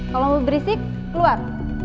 kalo lo berisik keluar